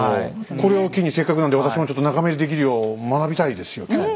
これを機にせっかくなんで私もちょっと仲間入りできるよう学びたいですよ今日は。